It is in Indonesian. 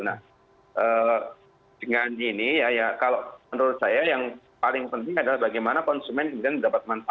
nah dengan ini ya kalau menurut saya yang paling penting adalah bagaimana konsumen kemudian mendapat manfaat